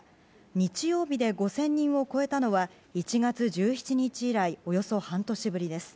日曜日で５０００人を超えたのは１月１７日以来およそ半年ぶりです。